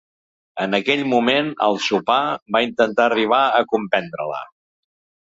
En aquell moment, al sopar, va intentar arribar a comprendre-la.